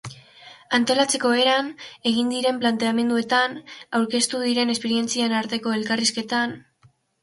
Antolatzeko eran, egin diren planteamenduetan, aurkeztu diren esperientzien arteko elkarrizketan...